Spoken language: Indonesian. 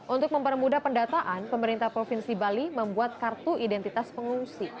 untuk mempermudah pendataan pemerintah provinsi bali membuat kartu identitas pengungsi